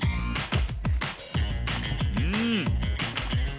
うん。